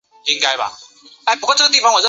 萧何人。